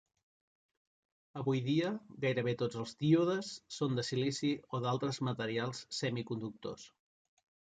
Avui dia gairebé tots els díodes són de silici o d'altres materials semiconductors.